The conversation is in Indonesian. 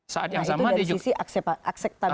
nah itu dari sisi akseptabilitas